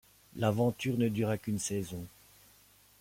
L'aventure ne dura qu'une saison.